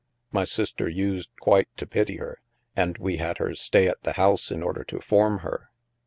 My sister used quite to pity her, and we had her stay at the house in order to form her."